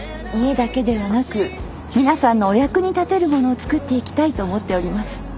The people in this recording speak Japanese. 家だけではなく皆さんのお役に立てるものをつくっていきたいと思っております。